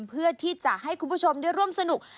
เพื่อที่จะให้คุณผู้ชมได้ร่วมสนุก